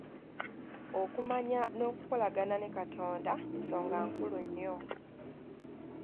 Okumanya n’okukolagana ne katonda nsonga nkulu nnyo.